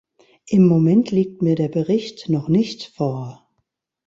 Im Moment liegt mir der Bericht noch nicht vor.